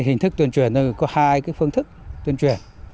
hình thức tuyên truyền có hai phương thức tuyên truyền